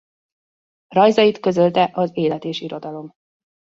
Rajzait közölte az Élet és Irodalom.